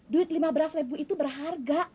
duit lima belas ribu itu berharga